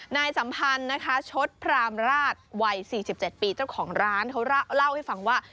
นะคะชดพรามราชวัยสี่สิบเจ็ดปีเจ้าของร้านเขาล่ะเล่าให้ฟังว่า